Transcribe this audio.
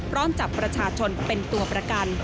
พร้อมจับประชาชนเป็นตัวประกัน